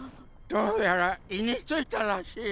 どうやら胃に着いたらしい。